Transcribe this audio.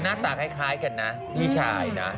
หน้าตาคล้ายกันนะพี่ชายนะ